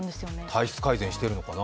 体質改善してるのかな。